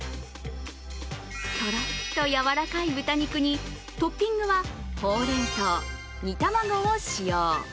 とろっとやわらかい豚肉にトッピングはほうれんそう、煮卵を使用。